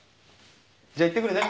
じゃ行ってくるね。